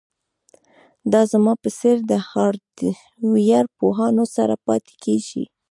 دا زما په څیر د هارډویر پوهانو سره پاتې کیږي